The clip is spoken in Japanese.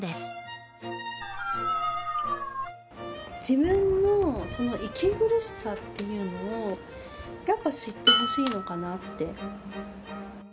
自分の息苦しさというのをやっぱ知ってほしいのかなって。